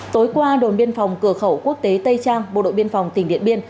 tối qua đồn biên phòng cửa khẩu quốc tế tây trang bộ đội biên phòng tỉnh điện biên